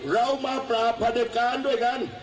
เรามาปราบพระเด็จการด้วยกัน